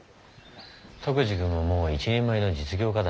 篤二君ももう一人前の実業家だ。